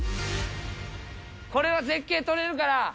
これは絶景撮れるから。